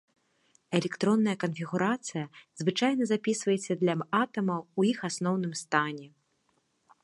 Электронная канфігурацыя звычайна запісваецца для атамаў ў іх асноўным стане.